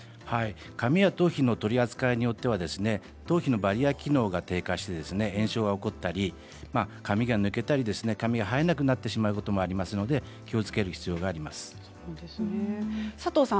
髪や頭皮の取り扱いによっては頭皮のバリアー機能が低下して炎症が起こったり髪が抜けたり髪が生えなくなってしまうことがありますので佐藤さん